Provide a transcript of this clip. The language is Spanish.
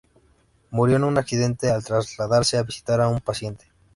Murió en un accidente al trasladarse a visitar a un paciente.